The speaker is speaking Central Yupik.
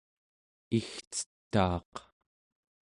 igcetaaq